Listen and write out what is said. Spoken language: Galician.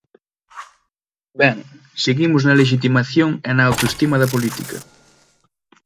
Ben, seguimos na lexitimación e na autoestima da política.